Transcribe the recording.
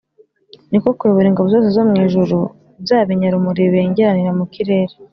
ni ko kuyobora ingabo zose zo mu ijuru, bya binyarumuri bibengeranira mu kirere.